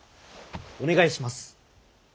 お願いします。